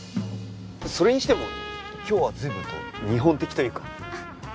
それにしても今日は随分と日本的というか。